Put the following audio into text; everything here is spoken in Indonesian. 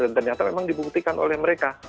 dan ternyata memang dibuktikan oleh mereka